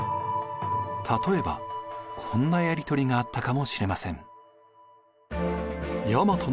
例えばこんなやり取りがあったかもしれません。